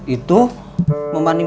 iiih menyebutkan idan itu